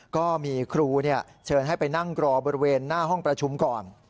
ก็มีครูเชิญให้ไปนั่งรอบริเวณหน้าห้องประชุมก่อน